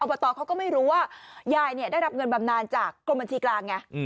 บตเขาก็ไม่รู้ว่ายายได้รับเงินบำนานจากกรมบัญชีกลางไง